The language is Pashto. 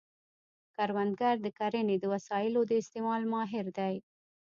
کروندګر د کرنې د وسایلو د استعمال ماهر دی